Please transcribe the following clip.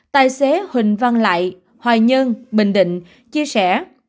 tài xế huỳnh văn lại hoài nhơn bình định chia sẻ